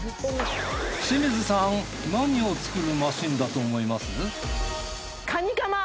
清水さん何を作るマシンだと思います？